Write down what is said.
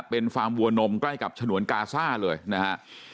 เป็นฟาร์มวัวนมใกล้กับฉนวนกาซ่าเลยนะฮะ